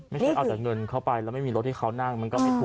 ไม่ใช่เอาจากเงินเข้าไปแล้วไม่มีรถที่เขานั่ง